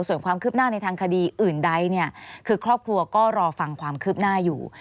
ส่วนความคืบหน้าในทางคดีอื่นใดเนี่ยคือครอบครัวก็รอฟังความคืบหน้าอยู่